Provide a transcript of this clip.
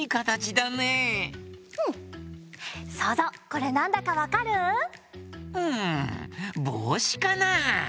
そうぞうこれなんだかわかる？んぼうしかな？